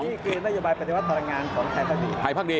นี่คือนโยบายปฏิวัติธรรมงานของไทยภาคดี